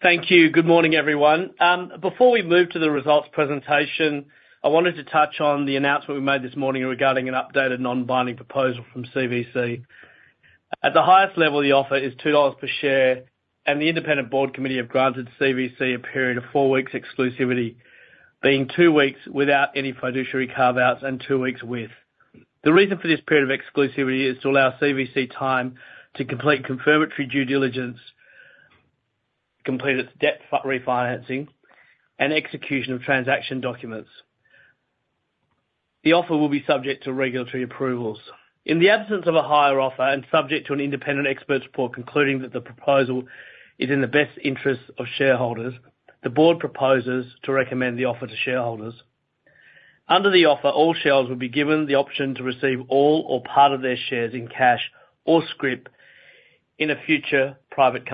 Thank you. Good morning, everyone. Before we move to the results presentation, I wanted to touch on the announcement we made this morning regarding an updated non-binding proposal from CVC. At the highest level, the offer is 2 dollars per share, and the independent board committee have granted CVC a period of four weeks' exclusivity, being two weeks without any fiduciary carve-outs and two weeks with. The reason for this period of exclusivity is to allow CVC time to complete confirmatory due diligence, complete its debt refinancing, and execution of transaction documents. The offer will be subject to regulatory approvals. In the absence of a higher offer and subject to an independent expert report concluding that the proposal is in the best interests of shareholders, the board proposes to recommend the offer to shareholders. Under the offer, all shares will be given the option to receive all or part of their shares in cash or scrip in a future private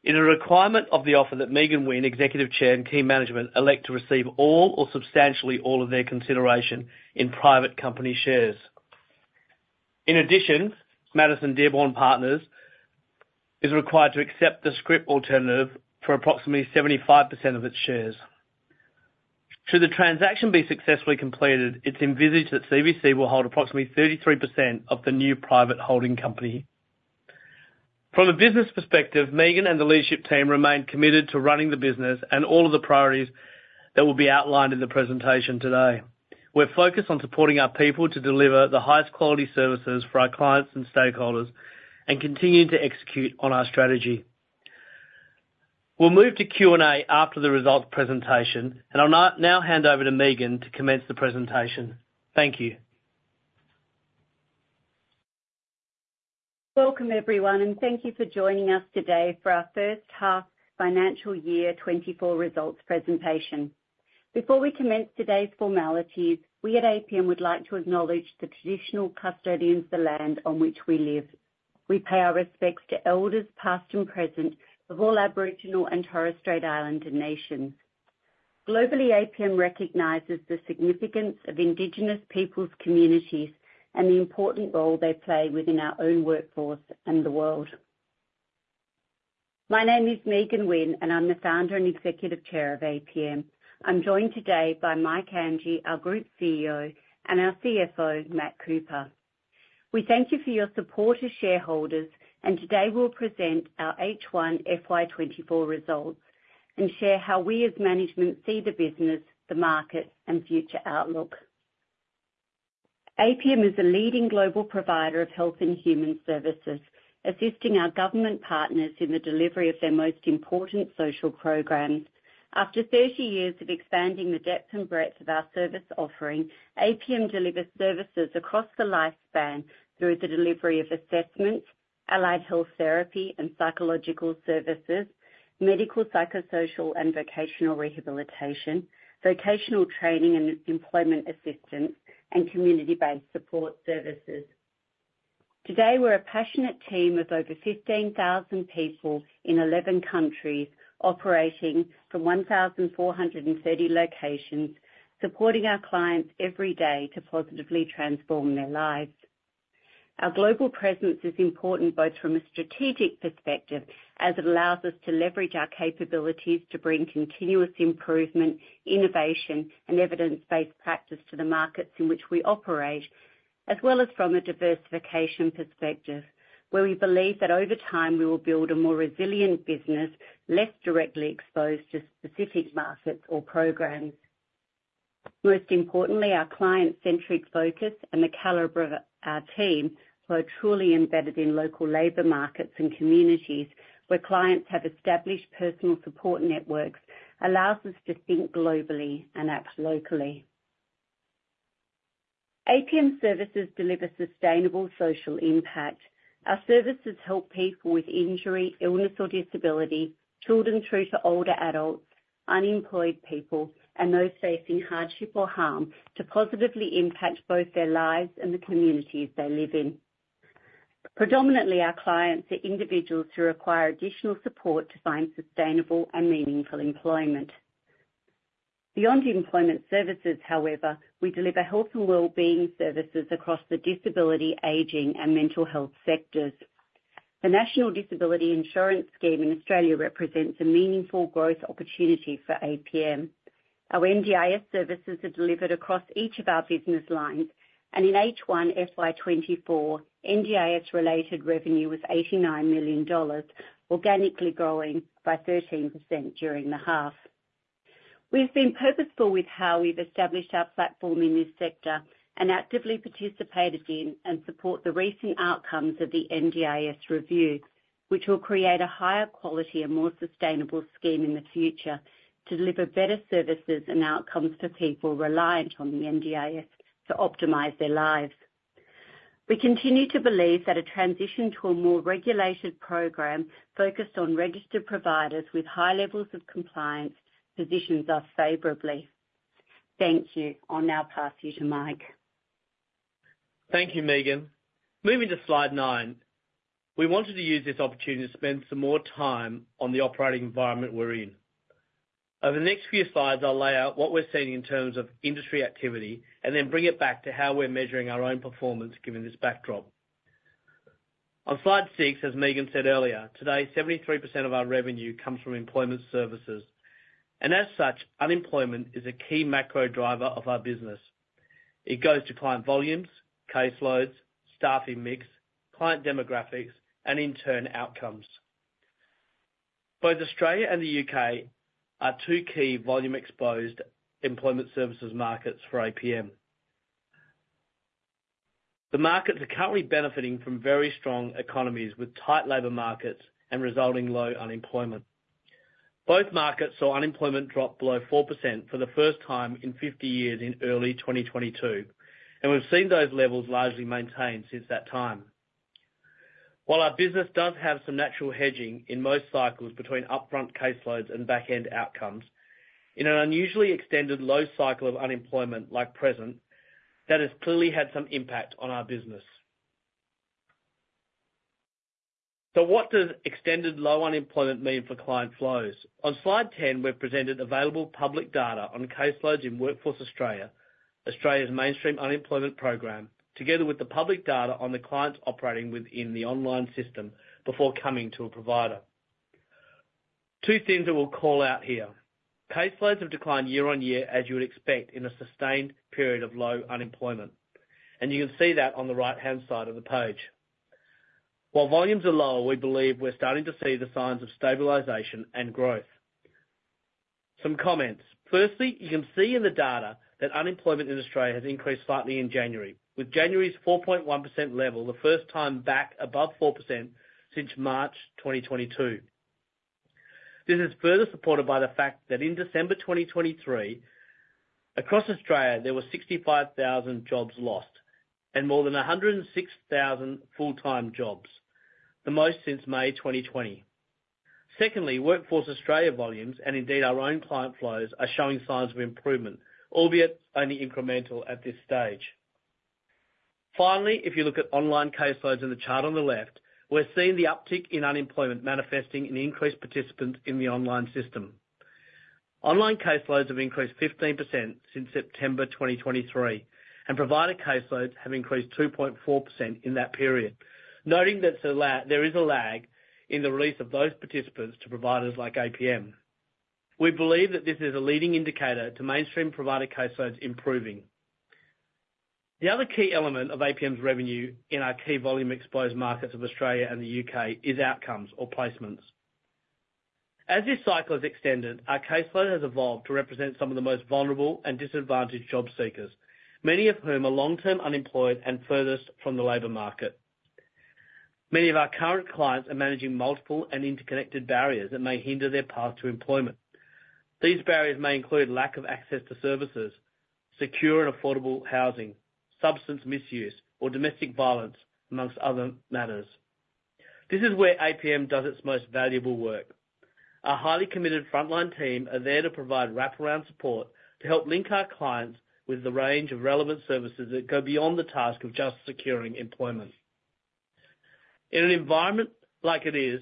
company. It is a requirement of the offer that Megan Wynne, Executive Chair, and team management elect to receive all or substantially all of their consideration in private company shares. In addition, Madison Dearborn Partners is required to accept the scrip alternative for approximately 75% of its shares. Should the transaction be successfully completed, it's envisaged that CVC will hold approximately 33% of the new private holding company. From a business perspective, Megan and the leadership team remain committed to running the business and all of the priorities that will be outlined in the presentation today. We're focused on supporting our people to deliver the highest quality services for our clients and stakeholders and continue to execute on our strategy. We'll move to Q&A after the results presentation, and I'll now hand over to Megan to commence the presentation. Thank you. Welcome, everyone, and thank you for joining us today for our first half financial year 2024 results presentation. Before we commence today's formalities, we at APM would like to acknowledge the traditional custodians of the land on which we live. We pay our respects to elders past and present of all Aboriginal and Torres Strait Islander nations. Globally, APM recognises the significance of Indigenous peoples' communities and the important role they play within our own workforce and the world. My name is Megan Wynne, and I'm the founder and Executive Chair of APM. I'm joined today by Michael Anghie, our Group CEO, and our CFO, Matt Cooper. We thank you for your support as shareholders, and today we'll present our H1 FY2024 results and share how we as management see the business, the market, and future outlook. APM is a leading global provider of health and human services, assisting our government partners in the delivery of their most important social programs. After 30 years of expanding the depth and breadth of our service offering, APM delivers services across the lifespan through the delivery of assessments, allied health therapy and psychological services, medical, psychosocial, and vocational rehabilitation, vocational training and employment assistance, and community-based support services. Today, we're a passionate team of over 15,000 people in 11 countries operating from 1,430 locations, supporting our clients every day to positively transform their lives. Our global presence is important both from a strategic perspective, as it allows us to leverage our capabilities to bring continuous improvement, innovation, and evidence-based practice to the markets in which we operate, as well as from a diversification perspective, where we believe that over time we will build a more resilient business less directly exposed to specific markets or programs. Most importantly, our client-centric focus and the caliber of our team, who are truly embedded in local labor markets and communities where clients have established personal support networks, allows us to think globally and act locally. APM services deliver sustainable social impact. Our services help people with injury, illness, or disability, children through to older adults, unemployed people, and those facing hardship or harm to positively impact both their lives and the communities they live in. Predominantly, our clients are individuals who require additional support to find sustainable and meaningful employment. Beyond employment services, however, we deliver health and well-being services across the disability, aging, and mental health sectors. The National Disability Insurance Scheme in Australia represents a meaningful growth opportunity for APM. Our NDIS services are delivered across each of our business lines, and in H1 FY24, NDIS-related revenue was 89 million dollars, organically growing by 13% during the half. We've been purposeful with how we've established our platform in this sector and actively participated in and support the recent outcomes of the NDIS review, which will create a higher quality and more sustainable scheme in the future to deliver better services and outcomes for people reliant on the NDIS to optimize their lives. We continue to believe that a transition to a more regulated program focused on registered providers with high levels of compliance positions us favorably. Thank you. I'll now pass you to Michael. Thank you, Megan. Moving to slide nine, we wanted to use this opportunity to spend some more time on the operating environment we're in. Over the next few slides, I'll lay out what we're seeing in terms of industry activity and then bring it back to how we're measuring our own performance given this backdrop. On slide six, as Megan said earlier, today 73% of our revenue comes from employment services, and as such, unemployment is a key macro driver of our business. It goes to client volumes, caseloads, staffing mix, client demographics, and intern outcomes. Both Australia and the U.K. are two key volume-exposed employment services markets for APM. The markets are currently benefiting from very strong economies with tight labor markets and resulting low unemployment. Both markets saw unemployment drop below 4% for the first time in 50 years in early 2022, and we've seen those levels largely maintained since that time. While our business does have some natural hedging in most cycles between upfront caseloads and backend outcomes, in an unusually extended low cycle of unemployment like present, that has clearly had some impact on our business. So what does extended low unemployment mean for client flows? On slide 10, we've presented available public data on caseloads in Workforce Australia, Australia's mainstream unemployment program, together with the public data on the clients operating within the online system before coming to a provider. Two things I will call out here. Caseloads have declined year-over-year, as you would expect, in a sustained period of low unemployment, and you can see that on the right-hand side of the page. While volumes are lower, we believe we're starting to see the signs of stabilization and growth. Some comments. Firstly, you can see in the data that unemployment in Australia has increased slightly in January, with January's 4.1% level the first time back above 4% since March 2022. This is further supported by the fact that in December 2023, across Australia, there were 65,000 jobs lost and more than 106,000 full-time jobs, the most since May 2020. Secondly, Workforce Australia volumes and indeed our own client flows are showing signs of improvement, albeit only incremental at this stage. Finally, if you look at online caseloads in the chart on the left, we're seeing the uptick in unemployment manifesting in increased participants in the online system. Online caseloads have increased 15% since September 2023, and provider caseloads have increased 2.4% in that period, noting that there is a lag in the release of those participants to providers like APM. We believe that this is a leading indicator to mainstream provider caseloads improving. The other key element of APM's revenue in our key volume-exposed markets of Australia and the UK is outcomes or placements. As this cycle has extended, our caseload has evolved to represent some of the most vulnerable and disadvantaged job seekers, many of whom are long-term unemployed and furthest from the labor market. Many of our current clients are managing multiple and interconnected barriers that may hinder their path to employment. These barriers may include lack of access to services, secure and affordable housing, substance misuse, or domestic violence, among other matters. This is where APM does its most valuable work. Our highly committed frontline team are there to provide wraparound support to help link our clients with the range of relevant services that go beyond the task of just securing employment. In an environment like it is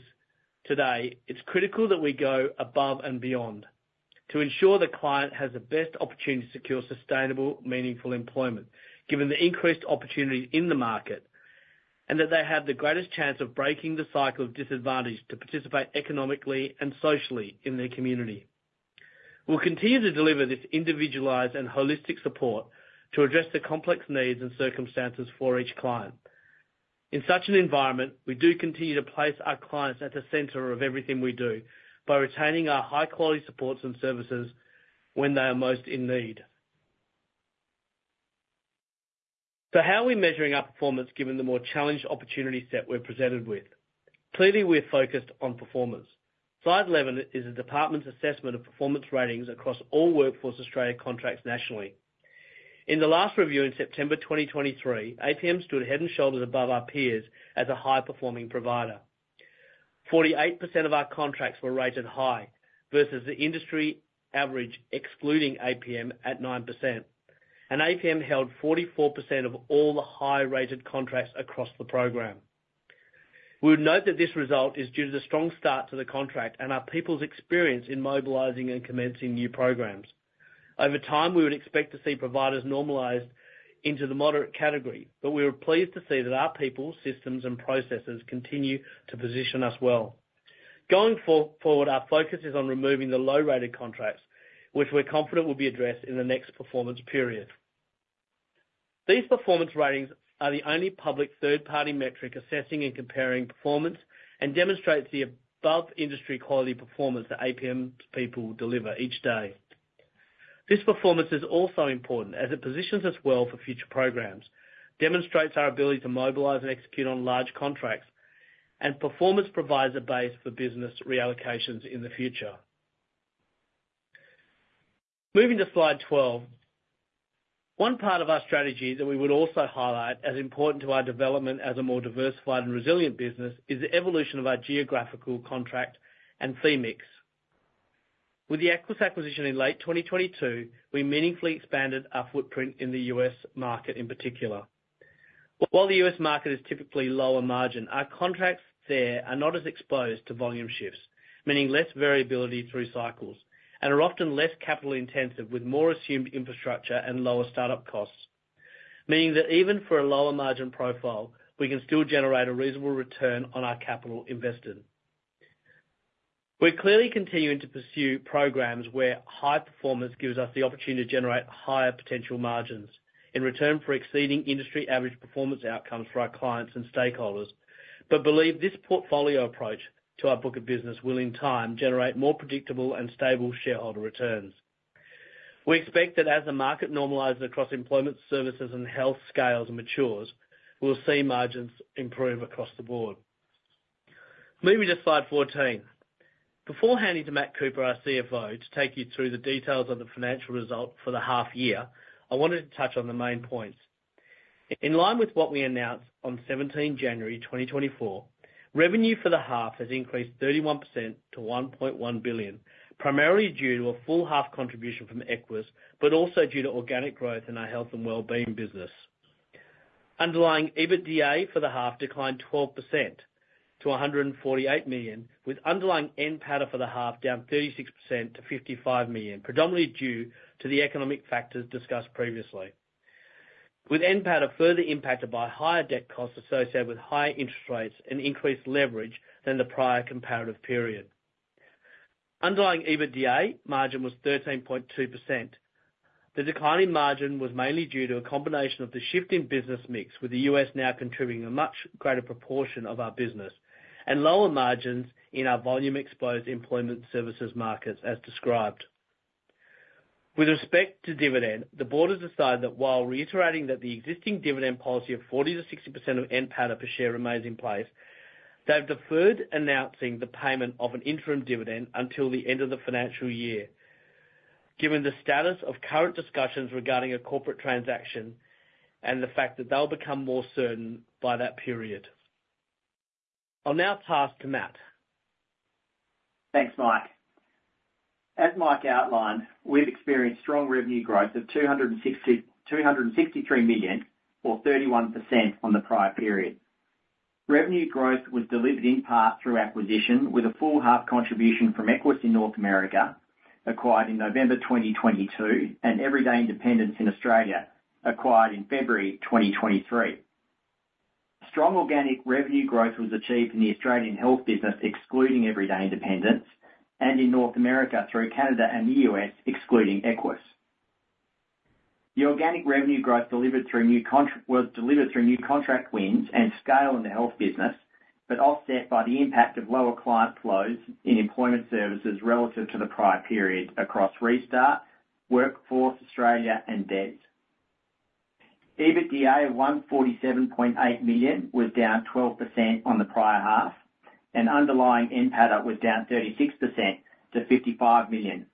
today, it's critical that we go above and beyond to ensure the client has the best opportunity to secure sustainable, meaningful employment, given the increased opportunities in the market, and that they have the greatest chance of breaking the cycle of disadvantage to participate economically and socially in their community. We'll continue to deliver this individualized and holistic support to address the complex needs and circumstances for each client. In such an environment, we do continue to place our clients at the center of everything we do by retaining our high-quality supports and services when they are most in need. How are we measuring our performance given the more challenged opportunity set we're presented with? Clearly, we're focused on performance. Slide 11 is the department's assessment of performance ratings across all Workforce Australia contracts nationally. In the last review in September 2023, APM stood head and shoulders above our peers as a high-performing provider. 48% of our contracts were rated high versus the industry average, excluding APM, at 9%, and APM held 44% of all the high-rated contracts across the program. We would note that this result is due to the strong start to the contract and our people's experience in mobilizing and commencing new programs. Over time, we would expect to see providers normalized into the moderate category, but we are pleased to see that our people, systems, and processes continue to position us well. Going forward, our focus is on removing the low-rated contracts, which we're confident will be addressed in the next performance period. These performance ratings are the only public third-party metric assessing and comparing performance and demonstrate the above-industry quality performance that APM's people deliver each day. This performance is also important, as it positions us well for future programs, demonstrates our ability to mobilise and execute on large contracts, and performance provides a base for business reallocations in the future. Moving to slide 12, one part of our strategy that we would also highlight as important to our development as a more diversified and resilient business is the evolution of our geographical contract and theme mix. With the Equus Acquisition in late 2022, we meaningfully expanded our footprint in the U.S. market in particular. While the U.S. market is typically lower margin, our contracts there are not as exposed to volume shifts, meaning less variability through cycles, and are often less capital-intensive with more assumed infrastructure and lower startup costs, meaning that even for a lower margin profile, we can still generate a reasonable return on our capital invested. We're clearly continuing to pursue programs where high performance gives us the opportunity to generate higher potential margins in return for exceeding industry-average performance outcomes for our clients and stakeholders, but believe this portfolio approach to our book of business will, in time, generate more predictable and stable shareholder returns. We expect that as the market normalizes across employment services and health scales and matures, we'll see margins improve across the board. Moving to slide 14. Before handing to Matt Cooper, our CFO, to take you through the details of the financial result for the half year, I wanted to touch on the main points. In line with what we announced on 17 January 2024, revenue for the half has increased 31% to 1.1 billion, primarily due to a full-half contribution from Equus, but also due to organic growth in our health and wellbeing business. Underlying EBITDA for the half declined 12% to 148 million, with underlying NPATA for the half down 36% to 55 million, predominantly due to the economic factors discussed previously, with NPATA further impacted by higher debt costs associated with higher interest rates and increased leverage than the prior comparative period. Underlying EBITDA margin was 13.2%. The declining margin was mainly due to a combination of the shift in business mix, with the U.S. now contributing a much greater proportion of our business, and lower margins in our volume-exposed employment services markets, as described. With respect to dividend, the board has decided that while reiterating that the existing dividend policy of 40%-60% of NPATA per share remains in place, they've deferred announcing the payment of an interim dividend until the end of the financial year, given the status of current discussions regarding a corporate transaction and the fact that they'll become more certain by that period. I'll now pass to Matt. Thanks, Michael. As Michael outlined, we've experienced strong revenue growth of 263 million, or 31%, on the prior period. Revenue growth was delivered in part through acquisition, with a full-half contribution from Equus in North America acquired in November 2022 and Everyday Independence in Australia acquired in February 2023. Strong organic revenue growth was achieved in the Australian health business, excluding Everyday Independence, and in North America through Canada and the U.S., excluding Equus. The organic revenue growth delivered through new contract was delivered through new contract wins and scale in the health business, but offset by the impact of lower client flows in employment services relative to the prior period across Restart, Workforce Australia, and DES. EBITDA of 147.8 million was down 12% on the prior half, and underlying NPATA was down 36% to 55 million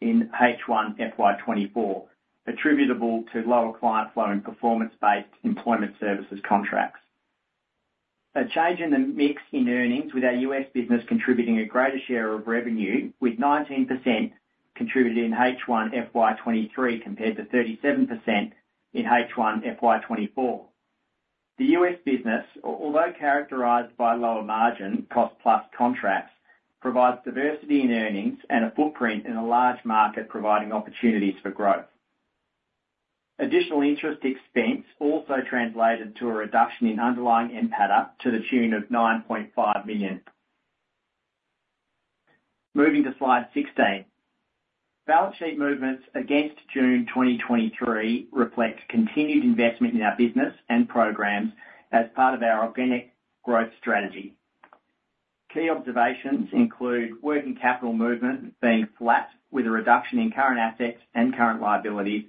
in H1 FY 2024, attributable to lower client flow and performance-based employment services contracts. A change in the mix in earnings, with our U.S. business contributing a greater share of revenue, with 19% contributed in H1 FY23 compared to 37% in H1 FY24. The U.S. business, although characterized by lower margin cost-plus contracts, provides diversity in earnings and a footprint in a large market providing opportunities for growth. Additional interest expense also translated to a reduction in underlying NPATA to the tune of 9.5 million. Moving to slide 16. Balance sheet movements against June 2023 reflect continued investment in our business and programs as part of our organic growth strategy. Key observations include working capital movement being flat, with a reduction in current assets and current liabilities,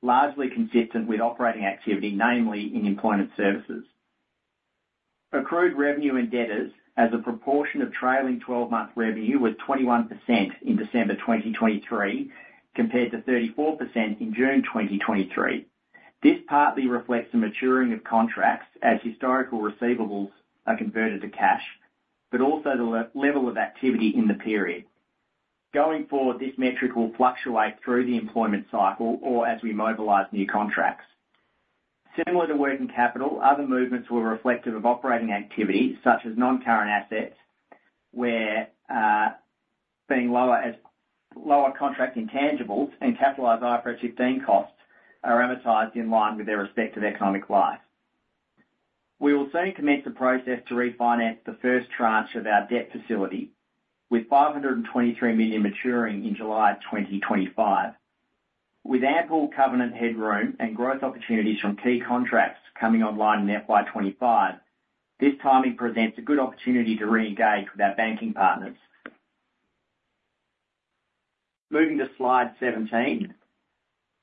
largely consistent with operating activity, namely in employment services. Accrued revenue and debtors, as a proportion of trailing 12-month revenue, were 21% in December 2023 compared to 34% in June 2023. This partly reflects the maturing of contracts, as historical receivables are converted to cash, but also the level of activity in the period. Going forward, this metric will fluctuate through the employment cycle or as we mobilize new contracts. Similar to working capital, other movements were reflective of operating activity, such as non-current assets, where lower contract intangibles and capitalized AIFRS 15 costs are amortized in line with their respective economic life. We will soon commence the process to refinance the first tranche of our debt facility, with 523 million maturing in July 2025. With ample covenant headroom and growth opportunities from key contracts coming online in FY25, this timing presents a good opportunity to re-engage with our banking partners. Moving to slide 17.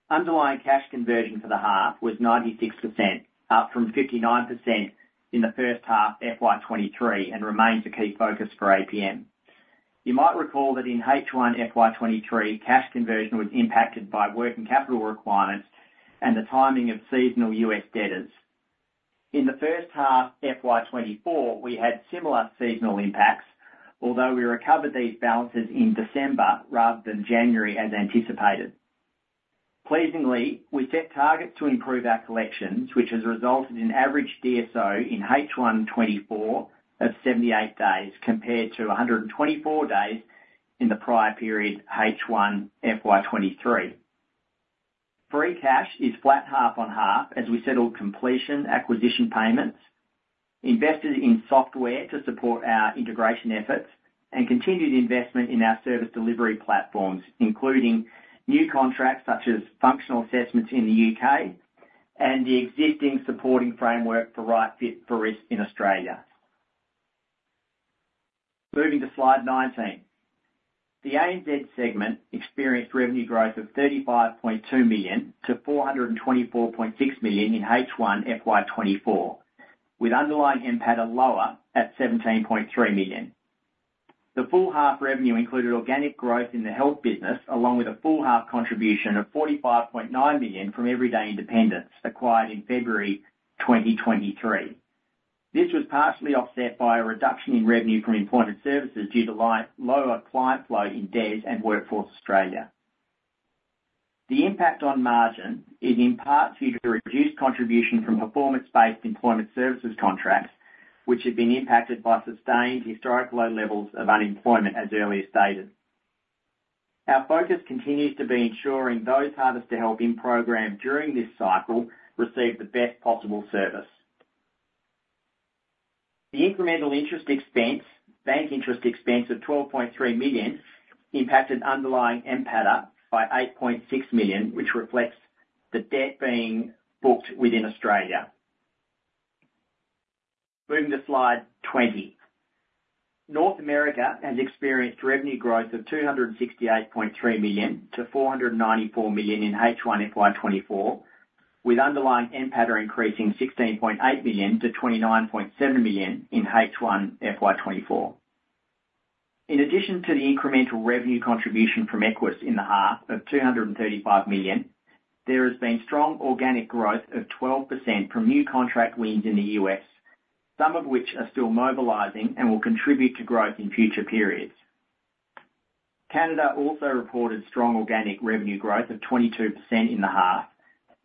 Underlying cash conversion for the half was 96%, up from 59% in the first half FY23, and remains a key focus for APM. You might recall that in H1 FY23, cash conversion was impacted by working capital requirements and the timing of seasonal US debtors. In the first half FY24, we had similar seasonal impacts, although we recovered these balances in December rather than January as anticipated. Pleasingly, we set targets to improve our collections, which has resulted in average DSO in H1 FY24 of 78 days compared to 124 days in the prior period H1 FY23. Free cash is flat half-on-half as we settled completion acquisition payments, invested in software to support our integration efforts, and continued investment in our service delivery platforms, including new contracts such as functional assessments in the UK and the existing supporting framework for Right Fit for Risk in Australia. Moving to slide 19. The ANZ segment experienced revenue growth of 35.2 million to 424.6 million in H1 FY24, with underlying NPATA lower at 17.3 million. The full-half revenue included organic growth in the health business, along with a full-half contribution of 45.9 million from Everyday Independence acquired in February 2023. This was partially offset by a reduction in revenue from employment services due to lower client flow in DES and Workforce Australia. The impact on margin is in part due to reduced contribution from performance-based employment services contracts, which have been impacted by sustained historic low levels of unemployment, as earlier stated. Our focus continues to be ensuring those harvestor help in program during this cycle receive the best possible service. The incremental interest expense, bank interest expense of 12.3 million, impacted underlying NPATA by 8.6 million, which reflects the debt being booked within Australia. Moving to slide 20. North America has experienced revenue growth of $268.3 million-$494 million in H1 FY24, with underlying NPATA increasing $16.8 million-$29.7 million in H1 FY24. In addition to the incremental revenue contribution from Equus in the half of $235 million, there has been strong organic growth of 12% from new contract wins in the U.S., some of which are still mobilizing and will contribute to growth in future periods. Canada also reported strong organic revenue growth of 22% in the half,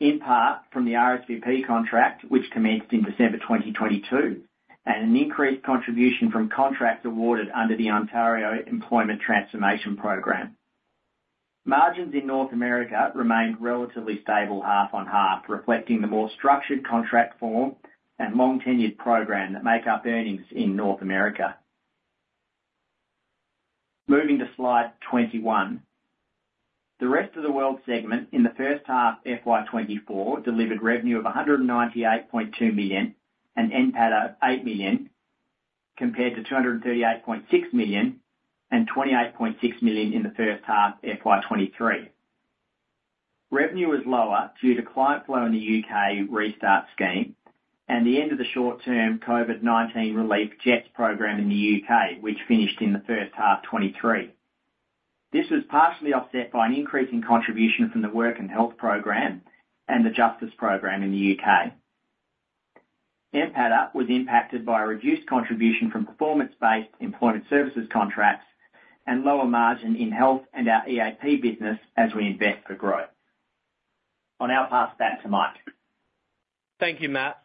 in part from the RSVP contract, which commenced in December 2022, and an increased contribution from contracts awarded under the Ontario Employment Services Transformation Programme. Margins in North America remained relatively stable half-on-half, reflecting the more structured contract form and long-tenured programme that make up earnings in North America. Moving to slide 21. The rest of the world segment in the first half FY24 delivered revenue of 198.2 million and NPATA of 8 million compared to 238.6 million and 28.6 million in the first half FY23. Revenue was lower due to client flow in the UK Restart scheme and the end of the short-term COVID-19 relief JETS programme in the UK, which finished in the first half FY23. This was partially offset by an increase in contribution from the Work and Health Programme and the justice programme in the UK. NPATA was impacted by a reduced contribution from performance-based employment services contracts and lower margin in health and our EAP business as we invest for growth. I'll now pass back to Michael. Thank you, Matt.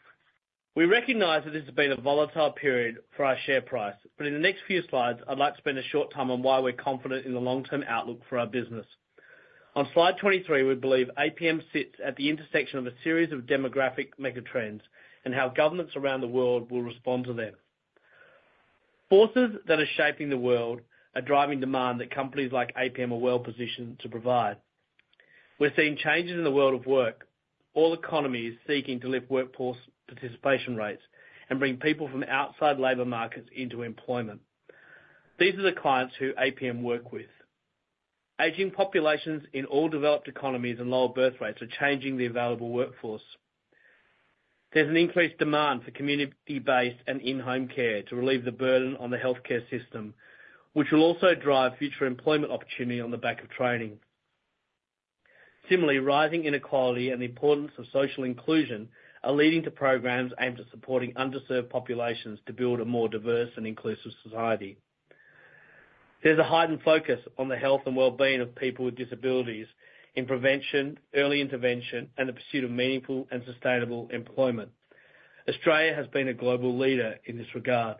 We recognize that this has been a volatile period for our share price, but in the next few slides, I'd like to spend a short time on why we're confident in the long-term outlook for our business. On slide 23, we believe APM sits at the intersection of a series of demographic megatrends and how governments around the world will respond to them. Forces that are shaping the world are driving demand that companies like APM are well positioned to provide. We're seeing changes in the world of work, all economies seeking to lift workforce participation rates and bring people from outside labor markets into employment. These are the clients who APM work with. Aging populations in all developed economies and lower birth rates are changing the available workforce. There's an increased demand for community-based and in-home care to relieve the burden on the healthcare system, which will also drive future employment opportunity on the back of training. Similarly, rising inequality and the importance of social inclusion are leading to programs aimed at supporting underserved populations to build a more diverse and inclusive society. There's a heightened focus on the health and well-being of people with disabilities in prevention, early intervention, and the pursuit of meaningful and sustainable employment. Australia has been a global leader in this regard.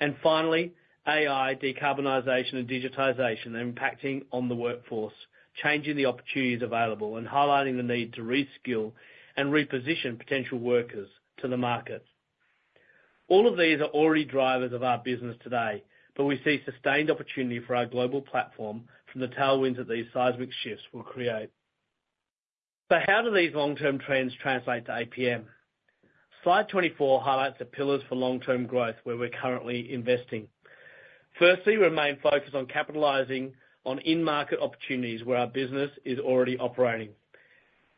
And finally, AI, decarbonization, and digitization are impacting on the workforce, changing the opportunities available and highlighting the need to reskill and reposition potential workers to the market. All of these are already drivers of our business today, but we see sustained opportunity for our global platform from the tailwinds that these seismic shifts will create. So how do these long-term trends translate to APM? Slide 24 highlights the pillars for long-term growth where we're currently investing. Firstly, we remain focused on capitalizing on in-market opportunities where our business is already operating.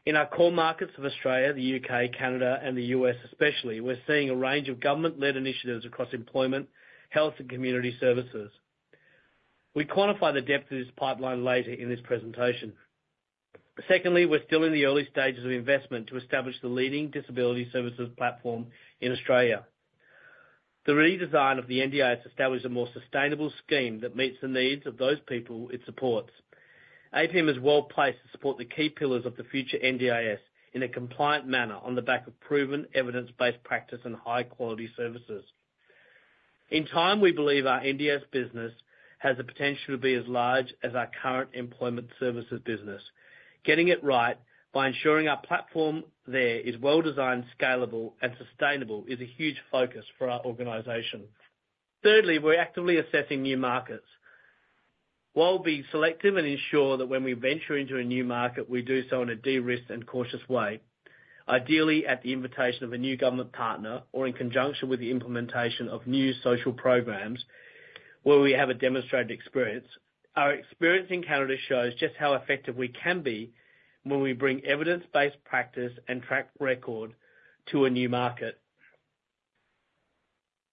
In our core markets of Australia, the U.K., Canada, and the U.S. especially, we're seeing a range of government-led initiatives across employment, health, and community services. We quantify the depth of this pipeline later in this presentation. Secondly, we're still in the early stages of investment to establish the leading disability services platform in Australia. The redesign of the NDIS establishes a more sustainable scheme that meets the needs of those people it supports. APM is well placed to support the key pillars of the future NDIS in a compliant manner on the back of proven, evidence-based practice, and high-quality services. In time, we believe our NDIS business has the potential to be as large as our current employment services business. Getting it right by ensuring our platform there is well designed, scalable, and sustainable is a huge focus for our organization. Thirdly, we're actively assessing new markets. While being selective and ensure that when we venture into a new market, we do so in a de-risk and cautious way, ideally at the invitation of a new government partner or in conjunction with the implementation of new social programs where we have a demonstrated experience, our experience in Canada shows just how effective we can be when we bring evidence-based practice and track record to a new market.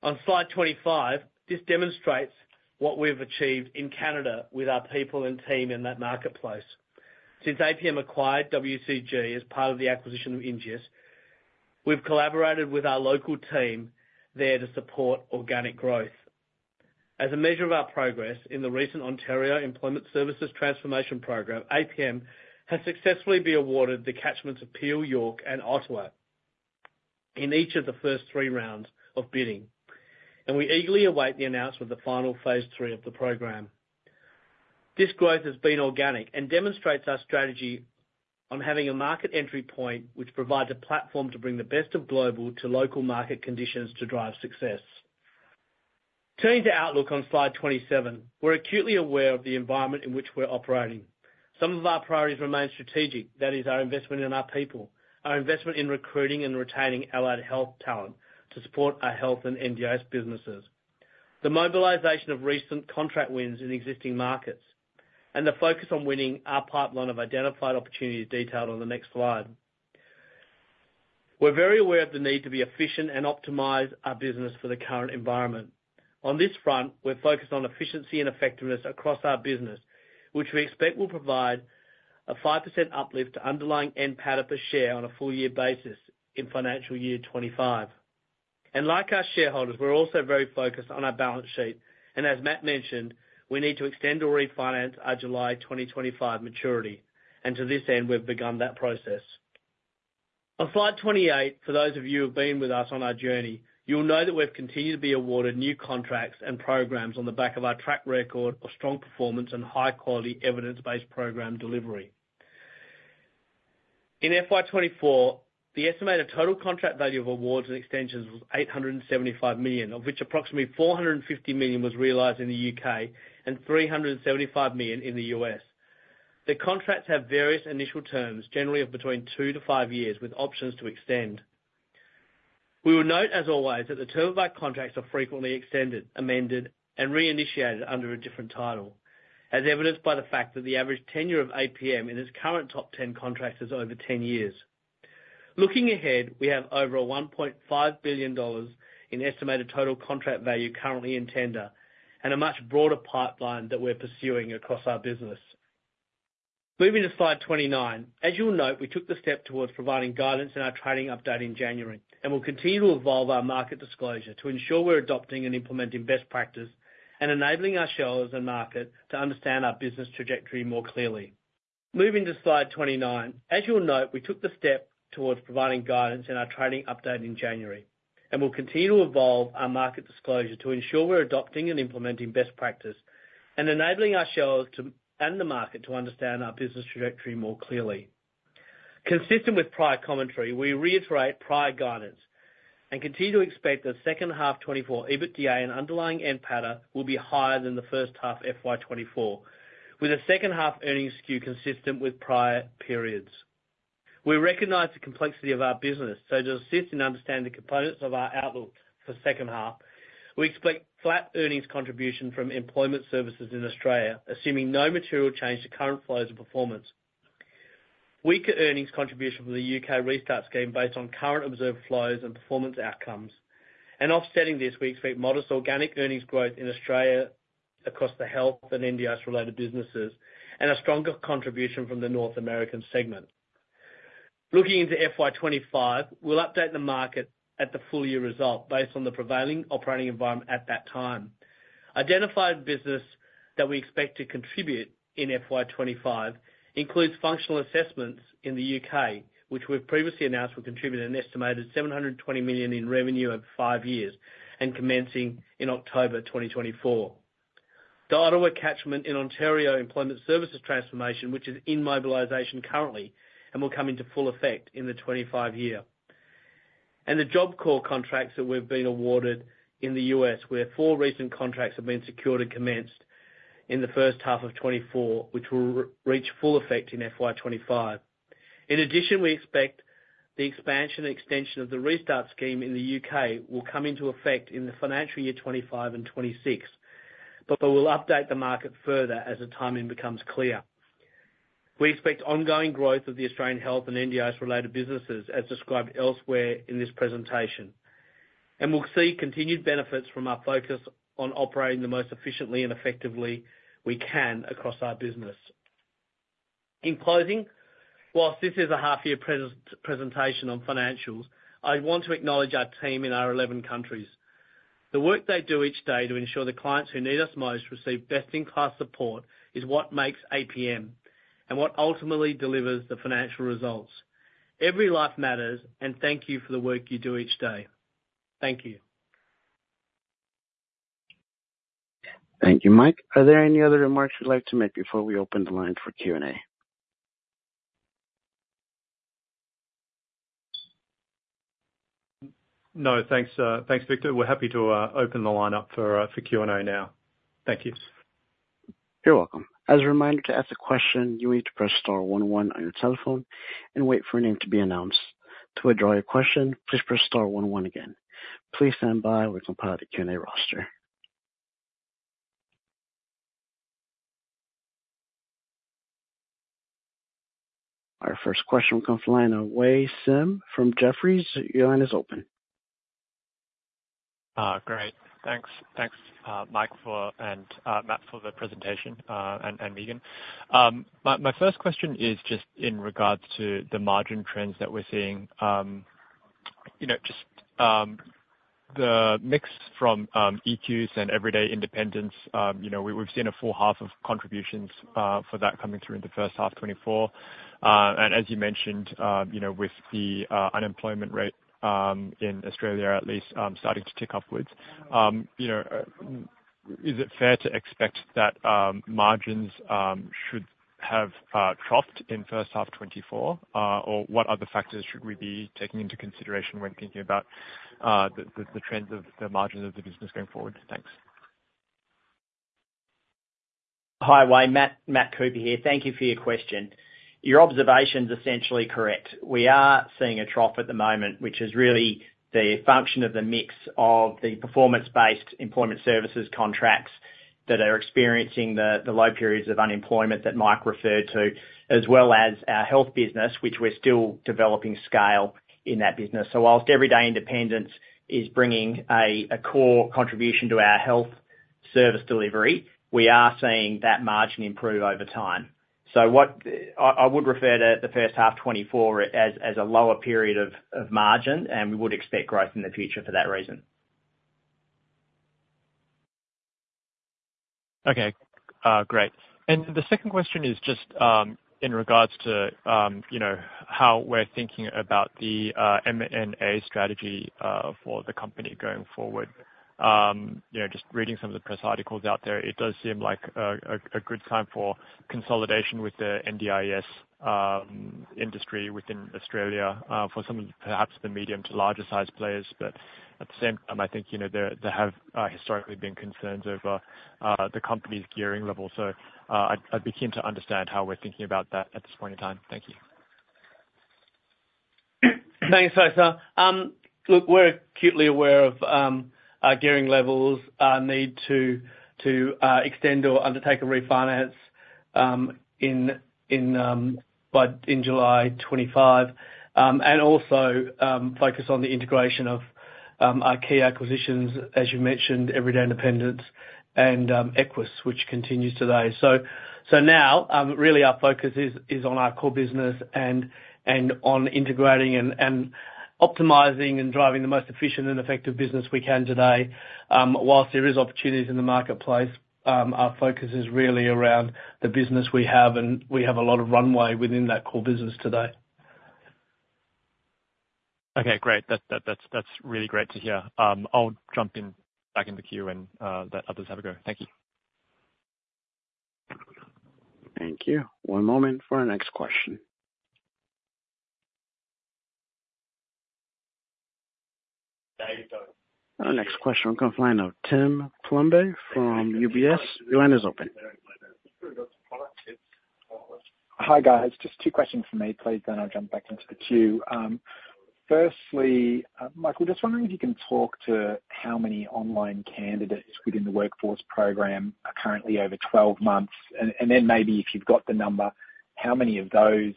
On slide 25, this demonstrates what we've achieved in Canada with our people and team in that marketplace. Since APM acquired WCG as part of the acquisition of Ingeus, we've collaborated with our local team there to support organic growth. As a measure of our progress in the recent Ontario Employment Services Transformation Programme, APM has successfully been awarded the catchments of Peel, York, and Ottawa in each of the first three rounds of bidding, and we eagerly await the announcement of the final phase three of the programme. This growth has been organic and demonstrates our strategy on having a market entry point which provides a platform to bring the best of global to local market conditions to drive success. Turning to outlook on slide 27, we're acutely aware of the environment in which we're operating. Some of our priorities remain strategic. That is, our investment in our people, our investment in recruiting and retaining allied health talent to support our health and NDIS businesses, the mobilization of recent contract wins in existing markets, and the focus on winning our pipeline of identified opportunities detailed on the next slide. We're very aware of the need to be efficient and optimize our business for the current environment. On this front, we're focused on efficiency and effectiveness across our business, which we expect will provide a 5% uplift to underlying NPATA per share on a full-year basis in financial year 2025. And like our shareholders, we're also very focused on our balance sheet. And as Matt mentioned, we need to extend or refinance our July 2025 maturity. And to this end, we've begun that process. On slide 28, for those of you who have been with us on our journey, you'll know that we've continued to be awarded new contracts and programs on the back of our track record of strong performance and high-quality evidence-based program delivery. In FY24, the estimated total contract value of awards and extensions was 875 million, of which approximately 450 million was realized in the U.K. and 375 million in the U.S. The contracts have various initial terms, generally of between 2-5 years, with options to extend. We will note, as always, that the term of our contracts are frequently extended, amended, and re-initiated under a different title, as evidenced by the fact that the average tenure of APM in its current top 10 contracts is over 10 years. Looking ahead, we have over 1.5 billion dollars in estimated total contract value currently in tender and a much broader pipeline that we're pursuing across our business. Moving to slide 29, as you'll note, we took the step towards providing guidance in our trading update in January and will continue to evolve our market disclosure to ensure we're adopting and implementing best practice and enabling ourselves and market to understand our business trajectory more clearly. Moving to slide 29, as you'll note, we took the step towards providing guidance in our trading update in January and will continue to evolve our market disclosure to ensure we're adopting and implementing best practice and enabling ourselves and the market to understand our business trajectory more clearly. Consistent with prior commentary, we reiterate prior guidance and continue to expect that second half 2024 EBITDA and underlying NPATA will be higher than the first half FY2024, with a second half earnings skew consistent with prior periods. We recognize the complexity of our business, so to assist in understanding the components of our outlook for second half, we expect flat earnings contribution from employment services in Australia, assuming no material change to current flows of performance, weaker earnings contribution from the UK Restart scheme based on current observed flows and performance outcomes. And offsetting this, we expect modest organic earnings growth in Australia across the health and NDIS-related businesses and a stronger contribution from the North American segment. Looking into FY2025, we'll update the market at the full-year result based on the prevailing operating environment at that time. Identified business that we expect to contribute in FY25 includes functional assessments in the U.K., which we've previously announced will contribute an estimated 720 million in revenue over five years and commencing in October 2024, the Ottawa catchment in Ontario Employment Services Transformation, which is immobilization currently and will come into full effect in 2025, and the Job Corps contracts that we've been awarded in the U.S., where four recent contracts have been secured and commenced in the first half of 2024, which will reach full effect in FY25. In addition, we expect the expansion and extension of the Restart scheme in the U.K. will come into effect in the financial year 2025 and 2026, but we'll update the market further as the timing becomes clear. We expect ongoing growth of the Australian health and NDIS-related businesses as described elsewhere in this presentation, and we'll see continued benefits from our focus on operating the most efficiently and effectively we can across our business. In closing, whilst this is a half-year presentation on financials, I want to acknowledge our team in our 11 countries. The work they do each day to ensure the clients who need us most receive best-in-class support is what makes APM and what ultimately delivers the financial results. Every life matters, and thank you for the work you do each day. Thank you. Thank you, Michael. Are there any other remarks you'd like to make before we open the line for Q&A? No, thanks, Victor. We're happy to open the line up for Q&A now. Thank you. You're welcome. As a reminder, to ask a question, you need to press star one one on your telephone and wait for a name to be announced. To withdraw your question, please press star one one again. Please stand by. We'll compile the Q&A roster. Our first question will come from ZheWei Sim from Jefferies. Your line is open. Great. Thanks, Michael and Matt, for the presentation, and Megan. My first question is just in regards to the margin trends that we're seeing, just the mix from Equus and Everyday Independence. We've seen a full half of contributions for that coming through in the first half 2024. And as you mentioned, with the unemployment rate in Australia, at least, starting to tick upwards, is it fair to expect that margins should have troughed in first half 2024, or what other factors should we be taking into consideration when thinking about the trends of the margins of the business going forward? Thanks. Hi, Wei. Matt Cooper here. Thank you for your question. Your observation's essentially correct. We are seeing a trough at the moment, which is really the function of the mix of the performance-based employment services contracts that are experiencing the low periods of unemployment that Michael referred to, as well as our health business, which we're still developing scale in that business. So while Everyday Independence is bringing a core contribution to our health service delivery, we are seeing that margin improve over time. So I would refer to the first half 2024 as a lower period of margin, and we would expect growth in the future for that reason. Okay. Great. And the second question is just in regards to how we're thinking about the M&A strategy for the company going forward. Just reading some of the press articles out there, it does seem like a good time for consolidation with the NDIS industry within Australia for some of perhaps the medium to larger-sized players. But at the same time, I think there have historically been concerns over the company's gearing level. So I'd be keen to understand how we're thinking about that at this point in time. Thank you. Thanks, Oscar. Look, we're acutely aware of gearing levels, our need to extend or undertake a refinance by July 25, and also focus on the integration of our key acquisitions, as you mentioned, Everyday Independence and Equus, which continues today. So now, really, our focus is on our core business and on integrating and optimizing and driving the most efficient and effective business we can today. While there is opportunities in the marketplace, our focus is really around the business we have, and we have a lot of runway within that core business today. Okay. Great. That's really great to hear. I'll jump back in the queue and let others have a go. Thank you. Thank you. One moment for our next question. There you go. Our next question will come from the line of Tim Plumbe from UBS. Your line is open. Hi, guys. Just two questions for me, please, then I'll jump back into the queue. Firstly, Michael, just wondering if you can talk to how many online candidates within the workforce program are currently over 12 months. And then maybe if you've got the number, how many of those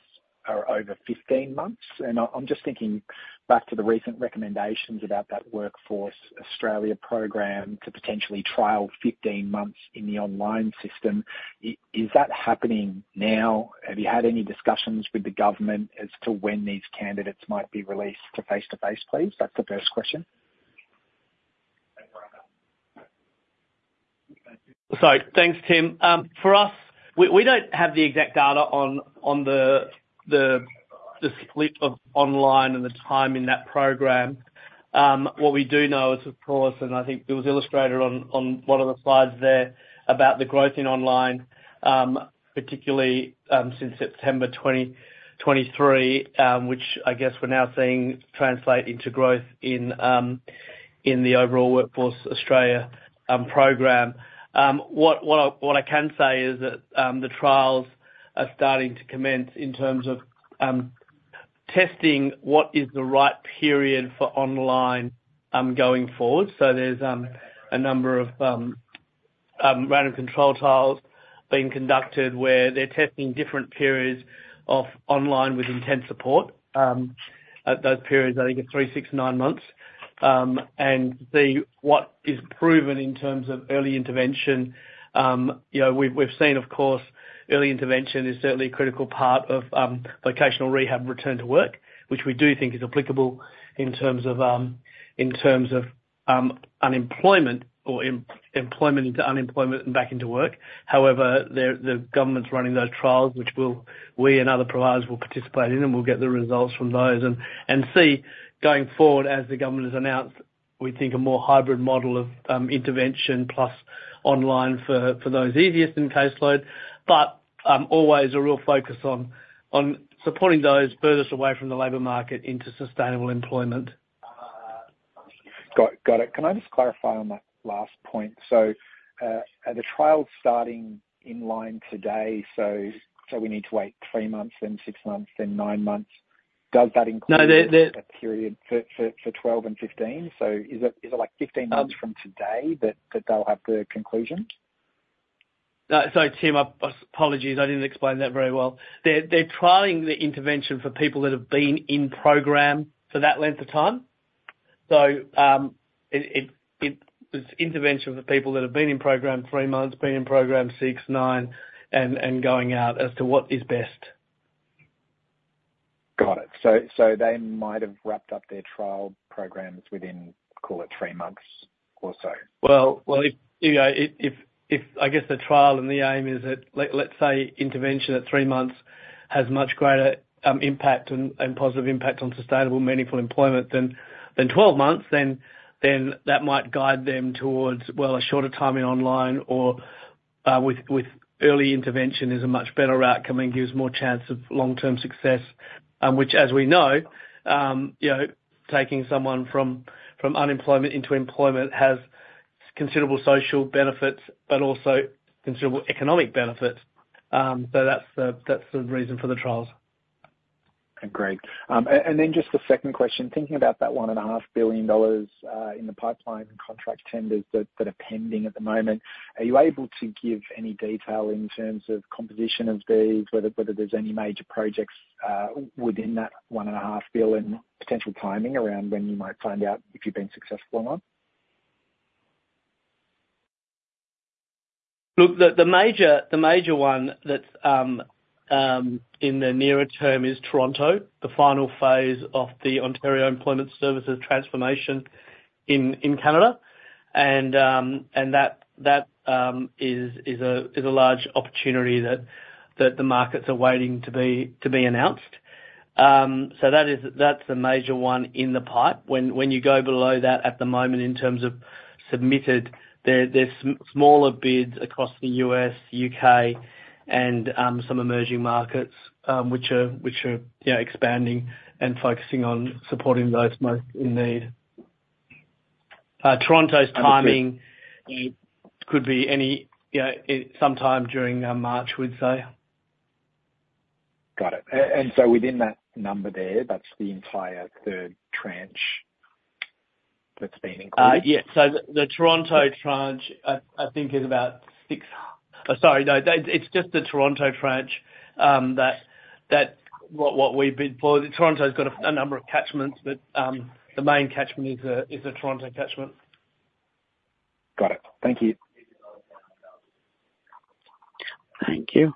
are over 15 months? And I'm just thinking back to the recent recommendations about that Workforce Australia program to potentially trial 15 months in the online system. Is that happening now? Have you had any discussions with the government as to when these candidates might be released to face-to-face, please? That's the first question. So thanks, Tim. For us, we don't have the exact data on the split of online and the time in that program. What we do know is, of course, and I think it was illustrated on one of the slides there about the growth in online, particularly since September 2023, which I guess we're now seeing translate into growth in the overall Workforce Australia program. What I can say is that the trials are starting to commence in terms of testing what is the right period for online going forward. So there's a number of random control trials being conducted where they're testing different periods of online with intense support. Those periods, I think, are three, six, nine months. And to see what is proven in terms of early intervention. We've seen, of course, early intervention is certainly a critical part of vocational rehab return to work, which we do think is applicable in terms of unemployment or employment into unemployment and back into work. However, the government's running those trials, which we and other providers will participate in, and we'll get the results from those. And see going forward, as the government has announced, we think a more hybrid model of intervention plus online for those easiest in caseload, but always a real focus on supporting those furthest away from the labor market into sustainable employment. Got it. Can I just clarify on that last point? So the trials starting in line today, so we need to wait three months, then six months, then nine months. Does that include a period for 12 and 15? So is it 15 months from today that they'll have the conclusion? Sorry, Tim. Apologies. I didn't explain that very well. They're trialing the intervention for people that have been in program for that length of time. So it's intervention for people that have been in program three months, been in program six, nine, and going out as to what is best. Got it. So they might have wrapped up their trial programs within, call it, three months or so? Well, I guess the trial and the aim is that, let's say, intervention at three months has much greater impact and positive impact on sustainable, meaningful employment than 12 months. Then that might guide them towards, well, a shorter time in online or with early intervention is a much better outcome and gives more chance of long-term success, which, as we know, taking someone from unemployment into employment has considerable social benefits but also considerable economic benefits. So that's the reason for the trials. Great. And then just the second question, thinking about that 1.5 billion dollars in the pipeline and contract tenders that are pending at the moment, are you able to give any detail in terms of composition of these, whether there's any major projects within that 1.5 billion, potential timing around when you might find out if you've been successful or not? Look, the major one that's in the nearer term is Toronto, the final phase of the Ontario Employment Services Transformation in Canada. That is a large opportunity that the markets are waiting to be announced. That's a major one in the pipe. When you go below that at the moment in terms of submitted, there's smaller bids across the U.S., U.K., and some emerging markets, which are expanding and focusing on supporting those most in need. Toronto's timing could be sometime during March, we'd say. Got it. And so within that number there, that's the entire third tranche that's been included? Yeah. So the Toronto tranche, I think, is about six, sorry, no, it's just the Toronto tranche that what we bid for. Toronto's got a number of catchments, but the main catchment is the Toronto catchment. Got it. Thank you. Thank you.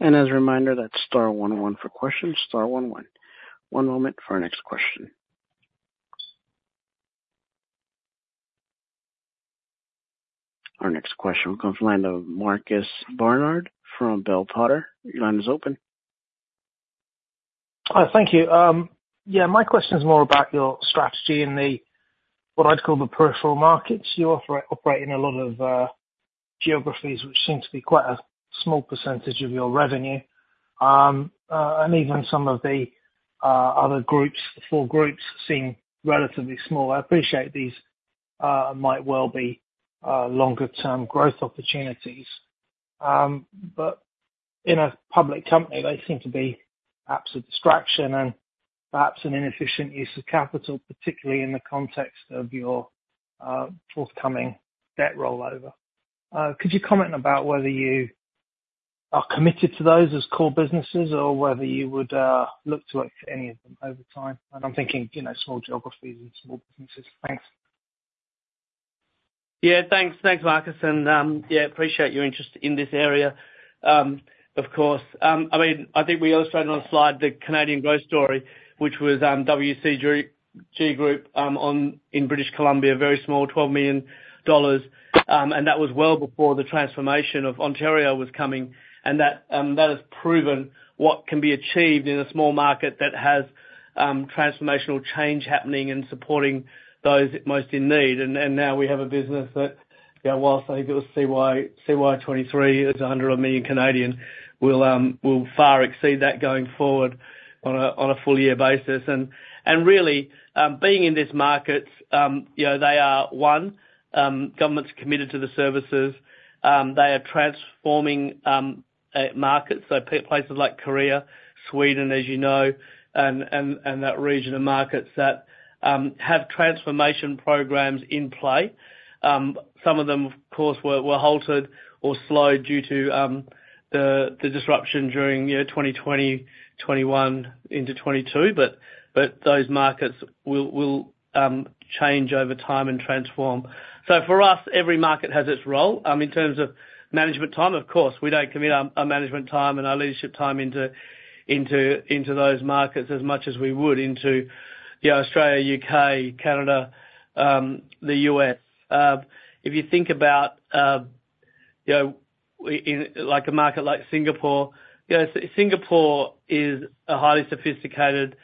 As a reminder, that's star one one for questions. Star one one. One moment for our next question. Our next question will come from Marcus Barnard from Bell Potter. Your line is open. Thank you. Yeah, my question's more about your strategy in what I'd call the peripheral markets. You operate in a lot of geographies, which seem to be quite a small percentage of your revenue. And even some of the other groups, the four groups, seem relatively small. I appreciate these might well be longer-term growth opportunities. But in a public company, they seem to be perhaps a distraction and perhaps an inefficient use of capital, particularly in the context of your forthcoming debt rollover. Could you comment about whether you are committed to those as core businesses or whether you would look to work for any of them over time? And I'm thinking small geographies and small businesses. Thanks. Yeah, thanks. Thanks, Marcus. And yeah, appreciate your interest in this area, of course. I mean, I think we illustrated on the slide the Canadian growth story, which was WCG Group in British Columbia, very small, 12 million dollars. And that was well before the transformation of Ontario was coming. And that has proven what can be achieved in a small market that has transformational change happening and supporting those most in need. And now we have a business that, whilst I think it was CY23, it was 100 million, will far exceed that going forward on a full-year basis. And really, being in these markets, they are, one, governments committed to the services. They are transforming markets, so places like Korea, Sweden, as you know, and that region of markets that have transformation programmes in play. Some of them, of course, were halted or slowed due to the disruption during 2020, 2021, into 2022, but those markets will change over time and transform. So for us, every market has its role. In terms of management time, of course, we don't commit our management time and our leadership time into those markets as much as we would into Australia, U.K., Canada, the U.S. If you think about a market like Singapore, Singapore is a highly sophisticated,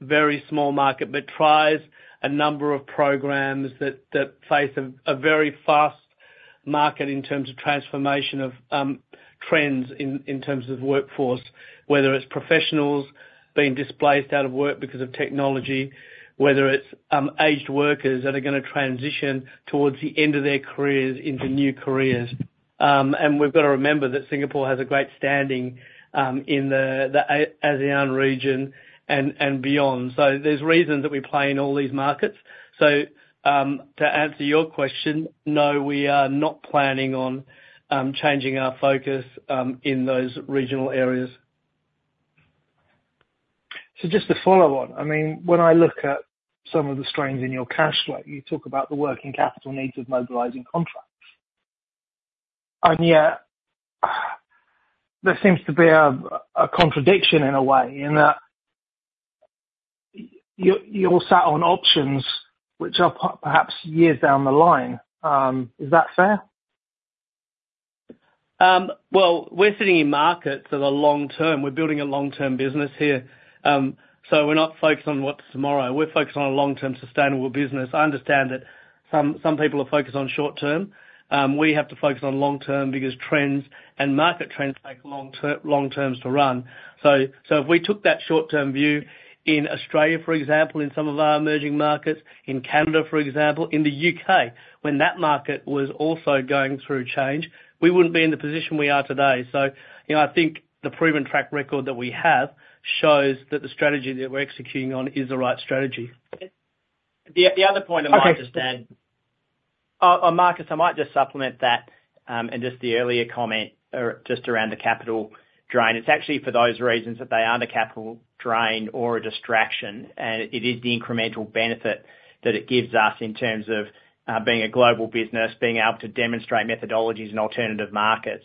very small market, but tries a number of programs that face a very fast market in terms of transformation of trends in terms of workforce, whether it's professionals being displaced out of work because of technology, whether it's aged workers that are going to transition towards the end of their careers into new careers. And we've got to remember that Singapore has a great standing in the ASEAN region and beyond. There's reasons that we play in all these markets. To answer your question, no, we are not planning on changing our focus in those regional areas. Just to follow on, I mean, when I look at some of the strains in your cash flow, you talk about the working capital needs of mobilizing contracts. And yet, there seems to be a contradiction in a way in that you're sat on options which are perhaps years down the line. Is that fair? Well, we're sitting in markets that are long-term. We're building a long-term business here. So we're not focused on what's tomorrow. We're focused on a long-term, sustainable business. I understand that some people are focused on short-term. We have to focus on long-term because trends and market trends take long-terms to run. So if we took that short-term view in Australia, for example, in some of our emerging markets, in Canada, for example, in the UK, when that market was also going through change, we wouldn't be in the position we are today. So I think the proven track record that we have shows that the strategy that we're executing on is the right strategy. The other point I might just add. Marcus, I might just supplement that and just the earlier comment just around the capital drain. It's actually for those reasons that they are the capital drain or a distraction. And it is the incremental benefit that it gives us in terms of being a global business, being able to demonstrate methodologies in alternative markets.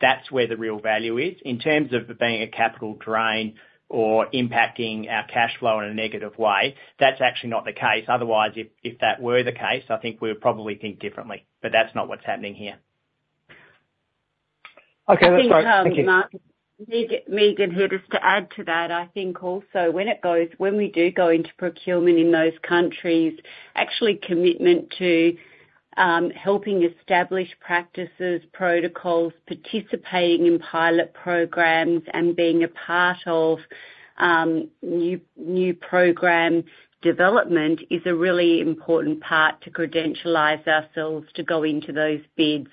That's where the real value is. In terms of it being a capital drain or impacting our cash flow in a negative way, that's actually not the case. Otherwise, if that were the case, I think we would probably think differently. But that's not what's happening here. Okay. That's great. Thank you. Thank you, Mark. Megan Wynne wishes to add to that. I think also, when we do go into procurement in those countries, actually commitment to helping establish practices, protocols, participating in pilot programs, and being a part of new program development is a really important part to credentialize ourselves to go into those bids.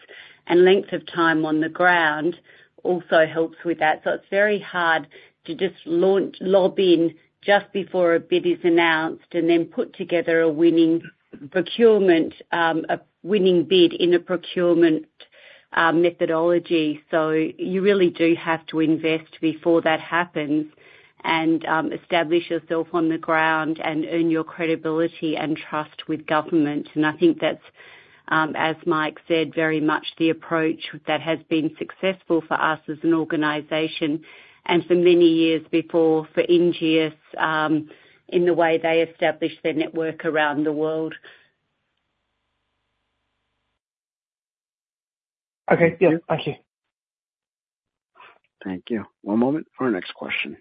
And length of time on the ground also helps with that. So it's very hard to just lobby in just before a bid is announced and then put together a winning procurement, a winning bid in a procurement methodology. So you really do have to invest before that happens and establish yourself on the ground and earn your credibility and trust with government. I think that's, as Michael said, very much the approach that has been successful for us as an organization and for many years before for Ingeus in the way they establish their network around the world. Okay. Yeah. Thank you. Thank you. One moment for our next question.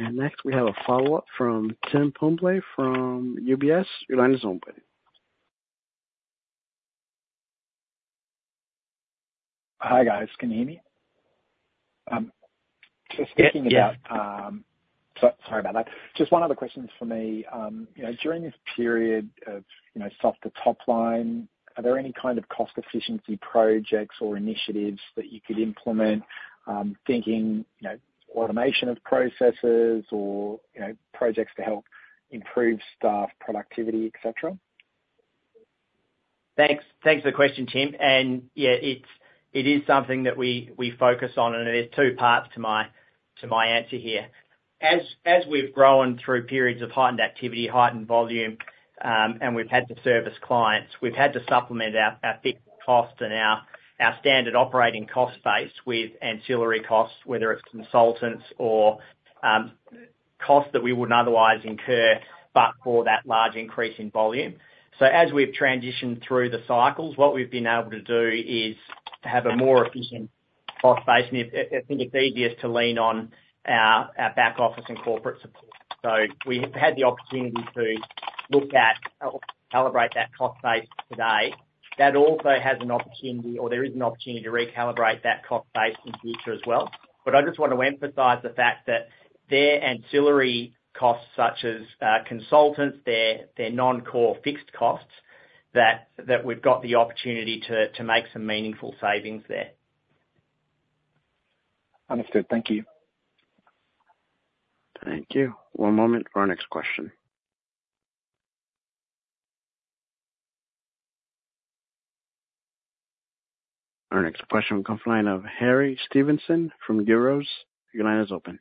Next, we have a follow-up from Tim Plumbe from UBS. Your line is open. Hi, guys. Can you hear me? Just one other question for me. During this period of soft to top line, are there any kind of cost-efficiency projects or initiatives that you could implement, thinking automation of processes or projects to help improve staff productivity, etc.? Thanks for the question, Tim. Yeah, it is something that we focus on. There's two parts to my answer here. As we've grown through periods of heightened activity, heightened volume, and we've had to service clients, we've had to supplement our fixed cost and our standard operating cost base with ancillary costs, whether it's consultants or costs that we wouldn't otherwise incur but for that large increase in volume. So as we've transitioned through the cycles, what we've been able to do is have a more efficient cost base. I think it's easier to lean on our back office and corporate support. So we've had the opportunity to look at or calibrate that cost base today. That also has an opportunity or there is an opportunity to recalibrate that cost base in future as well. I just want to emphasize the fact that their ancillary costs, such as consultants, their non-core fixed costs, that we've got the opportunity to make some meaningful savings there. Understood. Thank you. Thank you. One moment for our next question. Our next question will come from Harry Stevenson from Guros. Your line is open.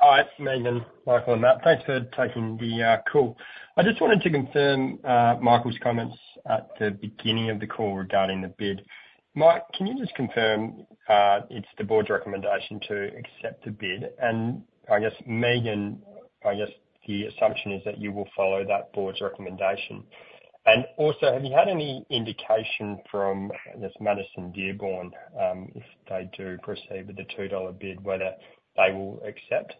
All right. Megan, Michael and Matt. Thanks for taking the call. I just wanted to confirm Michael's comments at the beginning of the call regarding the bid. Michael, can you just confirm it's the board's recommendation to accept a bid? And I guess, Megan, I guess the assumption is that you will follow that board's recommendation. And also, have you had any indication from, I guess, Madison Dearborn, if they do proceed with the 2 dollar bid, whether they will accept?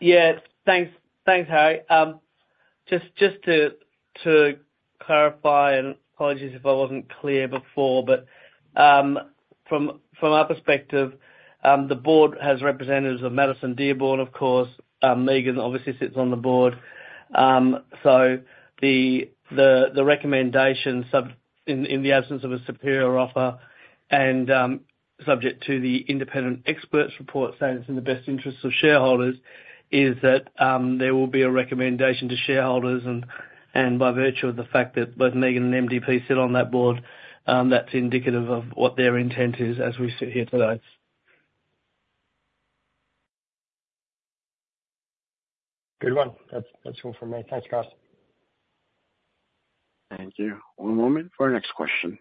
Yeah. Thanks, Harry. Just to clarify, and apologies if I wasn't clear before, but from our perspective, the board has representatives of Madison Dearborn, of course. Megan, obviously, sits on the board. So the recommendation, in the absence of a superior offer and subject to the independent experts' report saying it's in the best interests of shareholders, is that there will be a recommendation to shareholders. By virtue of the fact that both Megan and MDP sit on that board, that's indicative of what their intent is as we sit here today. Good one. That's all from me. Thanks, guys. Thank you. One moment for our next question.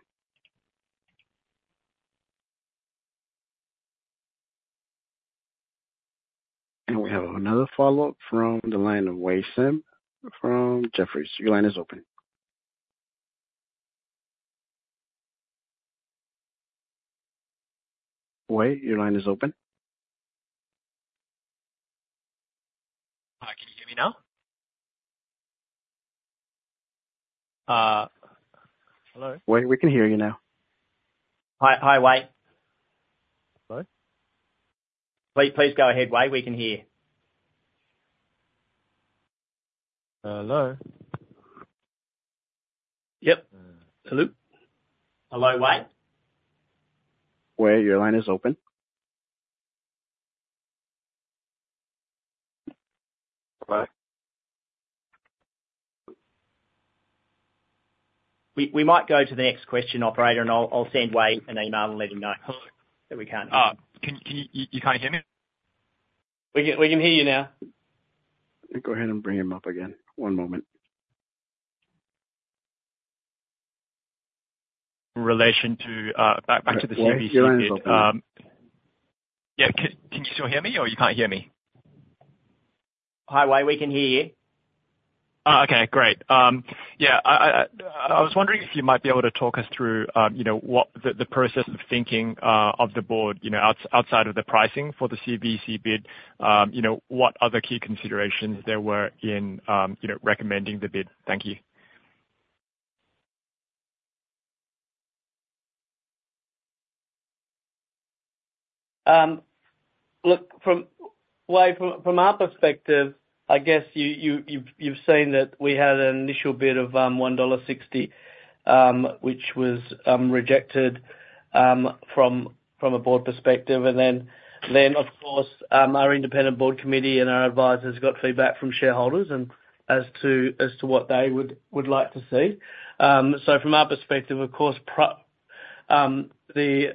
We have another follow-up from Wei Sim from Jefferies. Your line is open. Wait. Your line is open. Hi. Can you hear me now? Hello? Wait. We can hear you now. Hi. hi, Wei Sim. Hello? Please go ahead, Wei Sim. We can hear. Hello? Yep. Hello? hello, Wei Sim? Wait. Your line is open. Hello? We might go to the next question, operator, and I'll send Wai an email and let him know that we can't hear you. Oh. You can't hear me? We can hear you now. Let me go ahead and bring him up again. One moment. In relation to back to the CVC bid. Yeah. Your line is open. Yeah. Can you still hear me, or you can't hear me? hi, Wei Sim. We can hear you. Oh, okay. Great. Yeah. I was wondering if you might be able to talk us through the process of thinking of the board outside of the pricing for the CVC bid, what other key considerations there were in recommending the bid? Thank you. look, Wei Sim, from our perspective, I guess you've seen that we had an initial bid of 1.60 dollar, which was rejected from a board perspective. And then, of course, our independent board committee and our advisers got feedback from shareholders as to what they would like to see. So from our perspective, of course, the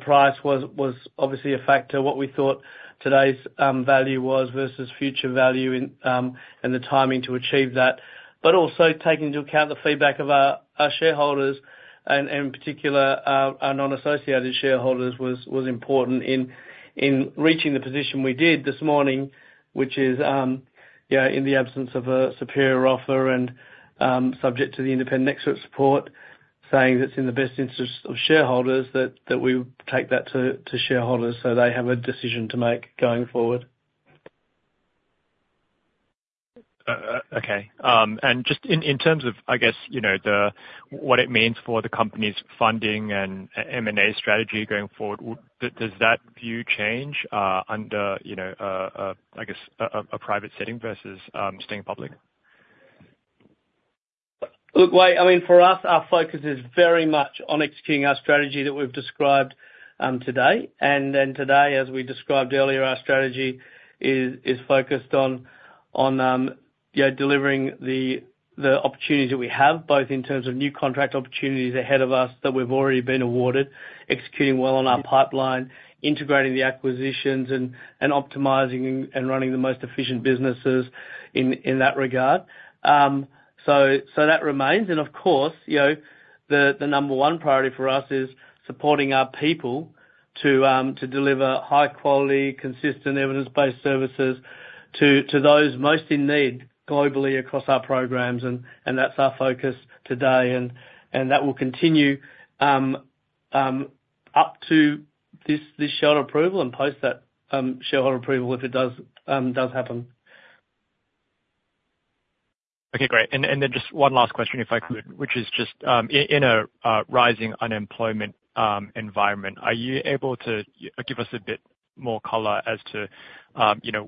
price was obviously a factor, what we thought today's value was versus future value and the timing to achieve that. But also, taking into account the feedback of our shareholders, and in particular, our non-associated shareholders, was important in reaching the position we did this morning, which is in the absence of a superior offer and subject to the independent expert support, saying that it's in the best interests of shareholders that we take that to shareholders so they have a decision to make going forward. Okay. Just in terms of, I guess, what it means for the company's funding and M&A strategy going forward, does that view change under, I guess, a private setting versus staying public? look, Wei Sim, I mean, for us, our focus is very much on executing our strategy that we've described today. And then today, as we described earlier, our strategy is focused on delivering the opportunities that we have, both in terms of new contract opportunities ahead of us that we've already been awarded, executing well on our pipeline, integrating the acquisitions, and optimising and running the most efficient businesses in that regard. So that remains. And of course, the number one priority for us is supporting our people to deliver high-quality, consistent, evidence-based services to those most in need globally across our programmes. And that's our focus today. And that will continue up to this shareholder approval and post that shareholder approval if it does happen. Okay. Great. And then just one last question, if I could, which is just in a rising unemployment environment, are you able to give us a bit more color as to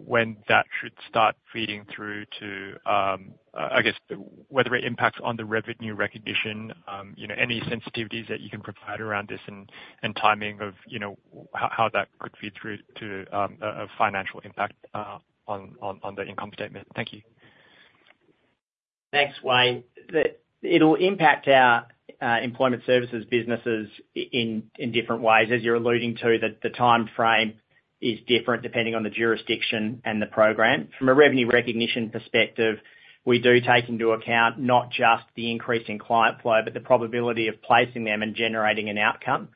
when that should start feeding through to, I guess, whether it impacts on the revenue recognition, any sensitivities that you can provide around this and timing of how that could feed through to a financial impact on the income statement? Thank you. thanks, Wei Sim. It'll impact our employment services businesses in different ways. As you're alluding to, the timeframe is different depending on the jurisdiction and the program. From a revenue recognition perspective, we do take into account not just the increase in client flow, but the probability of placing them and generating an outcome.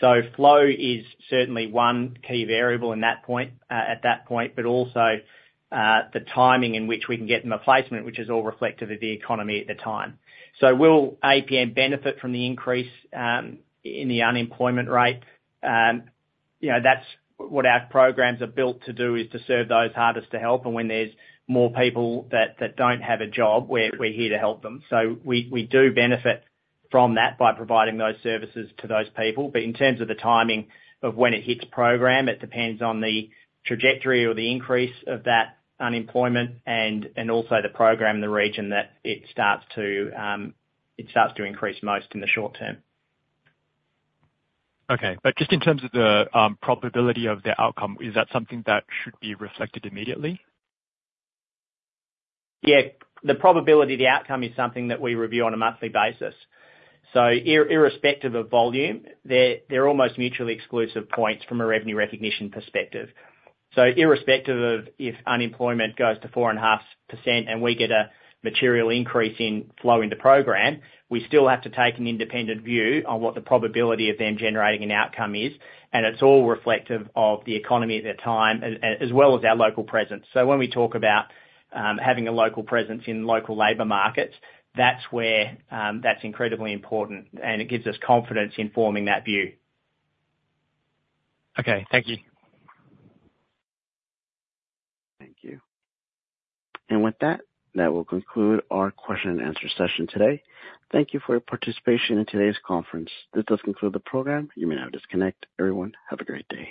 So flow is certainly one key variable at that point, but also the timing in which we can get them a placement, which is all reflective of the economy at the time. So will APM benefit from the increase in the unemployment rate? That's what our programs are built to do, is to serve those hardest to help. And when there's more people that don't have a job, we're here to help them. So we do benefit from that by providing those services to those people. In terms of the timing of when it hits program, it depends on the trajectory or the increase of that unemployment and also the program in the region that it starts to increase most in the short term. Okay. But just in terms of the probability of the outcome, is that something that should be reflected immediately? Yeah. The probability of the outcome is something that we review on a monthly basis. So irrespective of volume, they're almost mutually exclusive points from a revenue recognition perspective. So irrespective of if unemployment goes to 4.5% and we get a material increase in flow into program, we still have to take an independent view on what the probability of them generating an outcome is. And it's all reflective of the economy at that time as well as our local presence. So when we talk about having a local presence in local labor markets, that's incredibly important. And it gives us confidence in forming that view. Okay. Thank you. Thank you. And with that, that will conclude our question-and-answer session today. Thank you for your participation in today's conference. This does conclude the program. You may now disconnect. Everyone, have a great day.